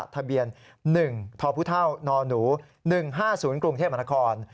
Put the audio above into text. ทะเบียน๑ทพุท่าวนหนู๑๕๐กรุงเทพมหาคล